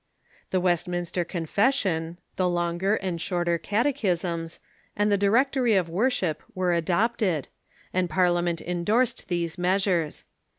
The Westminster Confession, the Longer and Shorter Cate chisms, and the Directory of Worship were adopted, and Par liament endorsed these measures.